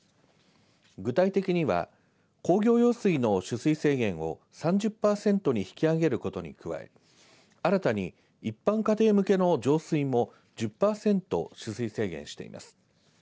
具体的には工業用水の取水制限を３０パーセントに引き上げることに加え新たに一般家庭向けの上水も１０パーセント取水制限しています。